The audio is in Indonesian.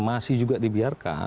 masih juga dibiarkan